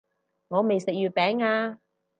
我未食月餅啊